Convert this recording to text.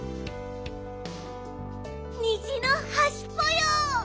にじのはしぽよ！